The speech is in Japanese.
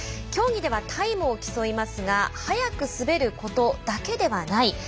競技ではタイムを競いますが速く滑ることだけではない。